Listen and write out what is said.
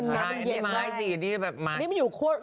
มีไม้สินี่แบบมาก